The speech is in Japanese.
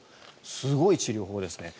すごい治療法ですね。